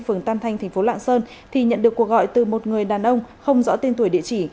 phường tam thanh thành phố lạng sơn thì nhận được cuộc gọi từ một người đàn ông không rõ tên tuổi địa chỉ